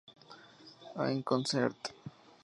In Concert!".